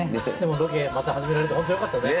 ロケまた始められてホントよかったね。